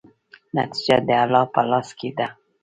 نتیجه د الله په لاس کې ده.